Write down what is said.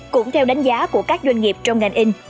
cũng theo đánh giá của các doanh nghiệp trong ngành in